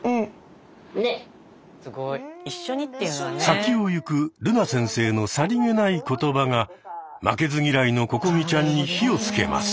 先を行くるな先生のさりげない言葉が負けず嫌いのここみちゃんに火をつけます。